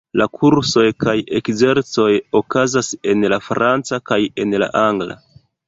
La kursoj kaj ekzercoj okazas en la franca kaj en la angla.